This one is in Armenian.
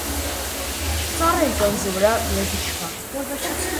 Ծառեր կղզու վրա գրեթե չկան։